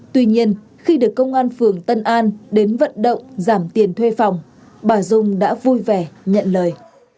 tuy nhiên khi được công an phường tân an đến vận động giảm tiền thuê phòng bà dung đã vui vẻ nhận lời